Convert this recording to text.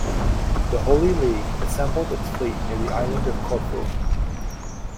The Holy League assembled its fleet near the island of Corfu.